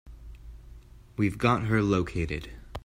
We've got her located.